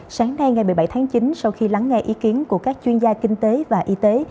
sáng nay ngày một mươi bảy tháng chín sau khi lắng nghe ý kiến của các chuyên gia kinh tế và y tế